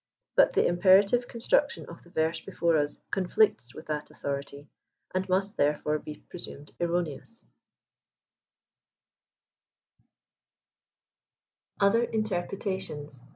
But the imperative construction of the verse before us conflicts with that authority, and must therefore be presumed erroneous* OtHER INTERPRETATIONS.